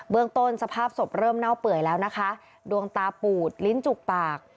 เรื่องต้นสภาพศพเริ่มเน่าเปื่อยแล้วนะคะดวงตาปูดลิ้นจุกปาก